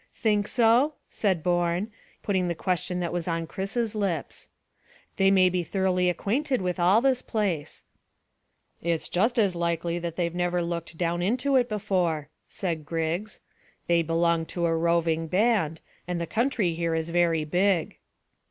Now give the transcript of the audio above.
"Think so?" said Bourne, putting the question that was on Chris's lips. "They may be thoroughly acquainted with all this place." "It's just as likely that they've never looked down into it before," said Griggs. "They belong to a roving band, and the country here is very big."